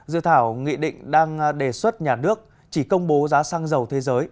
dự thảo nghị định đang đề xuất nhà nước chỉ công bố giá xăng dầu thế giới